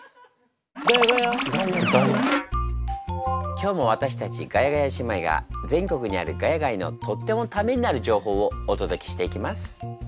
今日も私たちガヤガヤ姉妹が全国にある「ヶ谷街」のとってもタメになる情報をお届けしていきます。